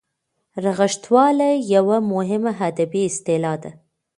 رغښتواله یوه مهمه ادبي اصطلاح ده.